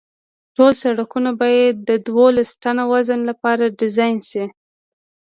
ټول سرکونه باید د دولس ټنه وزن لپاره ډیزاین شي